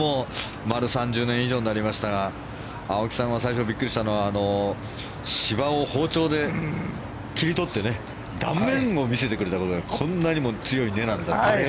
丸３０年以上になりましたが青木さんは最初びっくりしたのは芝を包丁で切り取って断面を見せてくれたことがあってこんなにも強い根なんだって。